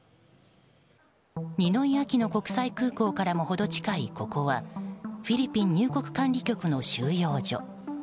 ニノイ・アキノ国際空港からも程近い、ここはフィリピン入国管理局の収容所。